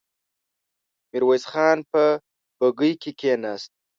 ميرويس خان په بګۍ کې کېناست.